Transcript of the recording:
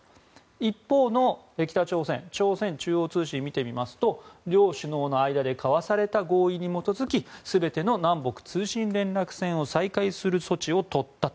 一方の北朝鮮の朝鮮中央通信を見てみますと両首脳の間で交わされた合意に基づき全ての南北通信連絡線を再開する措置を取ったと。